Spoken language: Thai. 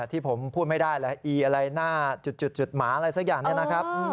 ที่ผมพูดไม่ได้แหละอีอะไรหน้าจุดหมาอะไรสักอย่างนี้นะครับ